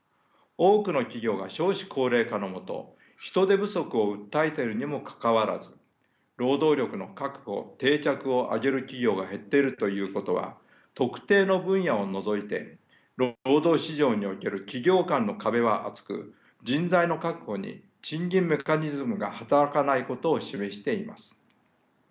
多くの企業が少子高齢化のもと人手不足を訴えているにもかかわらず「労働力の確保・定着」を挙げる企業が減っているということは特定の分野を除いて労働市場における企業間の壁は厚く人材の確保に賃金メカニズムが働かないことを示しています。